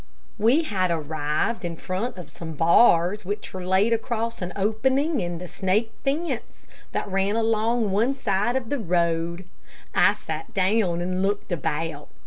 We had arrived in front of some bars which were laid across an opening in the snake fence that ran along one side of the road. I sat down and looked about.